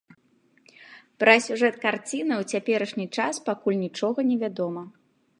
Пра сюжэт карціны ў цяперашні час пакуль нічога не вядома.